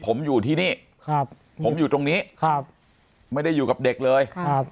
ผมอยู่ที่นี่ผมอยู่ตรงนี้ไม่ได้อยู่กับเด็กเลย